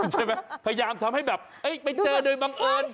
ใช่ไหมพยายามทำให้แบบไปเจอโดยบังเอิญ